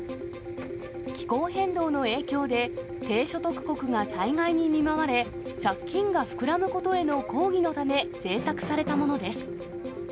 気候変動の影響で、低所得国が災害に見舞われ、借金が膨らむことへの抗議のため、制作されたものです。